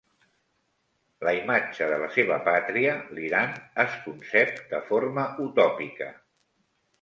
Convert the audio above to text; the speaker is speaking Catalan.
La imatge de la seva pàtria, l'Iran, es concep de forma utòpica.